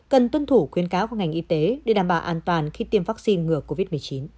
cần tuân thủ quyê cáo của ngành y tế để đảm bảo an toàn khi tiêm vaccine ngừa covid một mươi chín